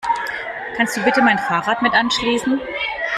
Kannst du bitte mein Fahrrad mit anschließen?